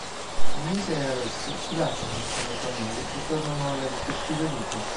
Agnese e Alessio si lasciano, con le famiglie che tornano alle rispettive vite.